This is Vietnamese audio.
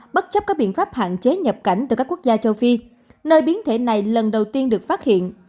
bất chấp các biện pháp hạn chế nhập cảnh từ các quốc gia châu phi nơi biến thể này lần đầu tiên được phát hiện